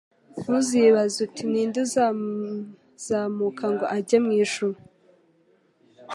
"Ntuzibaze uti : Ni nde uzazamuka ngo ajye mu ijuru,